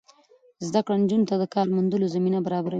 زده کړه نجونو ته د کار موندلو زمینه برابروي.